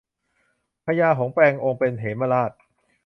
พญาหงส์แปลงองค์เป็นเหมราช